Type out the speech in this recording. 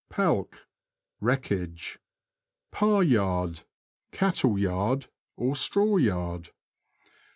Palk. — Wreckage. Par Yard. — Cattle yard ; straw yard.